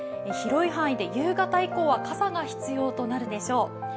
広い範囲で夕方以降は傘が必要となるでしょう。